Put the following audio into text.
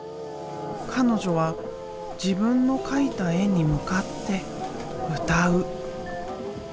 彼女は自分の描いた絵に向かって歌う。